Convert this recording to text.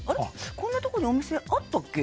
こんなところにお店あったっけ？